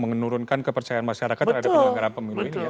menurunkan kepercayaan masyarakat terhadap penyelenggara pemilu ini